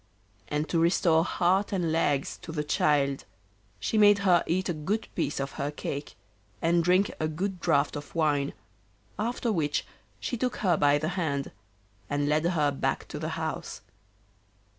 And, to restore heart and legs to the child, she made her eat a good piece of her cake, and drink a good draught of wine, after which she took her by the hand and led her back to the house.